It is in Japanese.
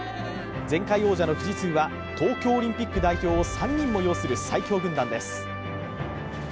前回王者の富士通は東京オリンピック代表を３人も擁する最強軍団です。